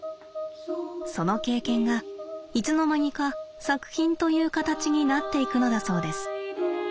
その経験がいつの間にか作品という形になっていくのだそうです。